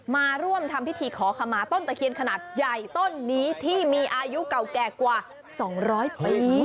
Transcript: มาร่วมทำพิธีขอขมาต้นตะเคียนขนาดใหญ่ต้นนี้ที่มีอายุเก่าแก่กว่า๒๐๐ปี